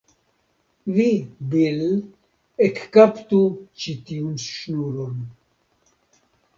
Vi, Bil, ekkaptu ĉi tiun ŝnuron.